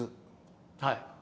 はい。